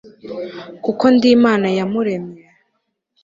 kuko ndi imana yamuremye